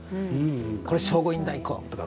これ、聖護院大根とか。